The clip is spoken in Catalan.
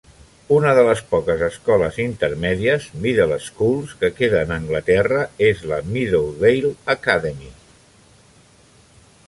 Una de les poques escoles intermèdies (middle schools) que queden a Anglaterra és la Meadowdale Academy.